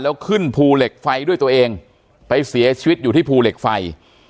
แล้วขึ้นภูเหล็กไฟด้วยตัวเองไปเสียชีวิตอยู่ที่ภูเหล็กไฟ